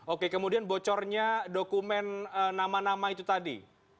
oke kemudian bocornya dokumen nama nama itu tadi